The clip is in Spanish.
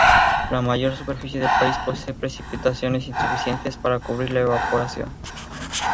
La mayor superficie del país posee precipitaciones insuficientes para cubrir la evaporación.